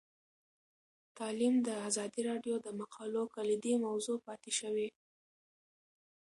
تعلیم د ازادي راډیو د مقالو کلیدي موضوع پاتې شوی.